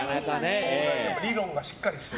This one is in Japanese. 理論がしっかりしてる。